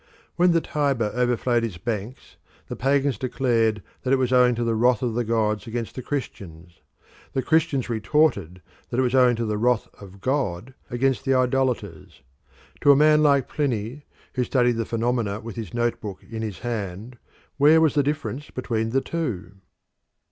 When the Tiber overflowed its banks the pagans declared that it was owing to the wrath of the gods against the Christians: the Christians retorted that it was owing to the wrath of God against the idolaters. To a man like Pliny, who studied the phenomena with his notebook in his hand, where was the difference between the two?